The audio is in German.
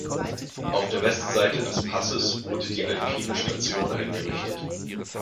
Auf der Westseite des Passes wurde die Alpine Station eingerichtet.